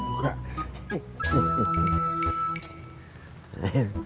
ya sudah saya mau pergi dulu